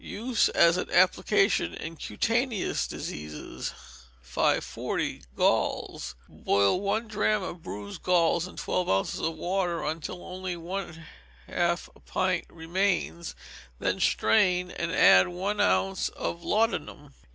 Use as an application in cutaneous diseases. 540. Galls. Boil one drachm of bruised galls in twelve ounces of water until only half a pint remains, then strain, and add one ounce of laudanum.